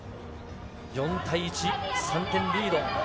４対１、３点リード。